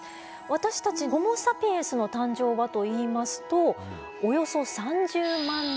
私たちホモ・サピエンスの誕生はといいますとおよそ３０万年前。